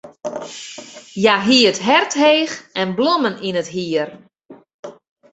Hja hie it hert heech en blommen yn it hier.